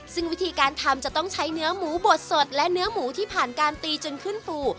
ซึ่งวิธีการทำจะต้องใช้เนื้อหมูบดสดและเนื้อหมูที่ผ่านการตีจนขึ้นฟู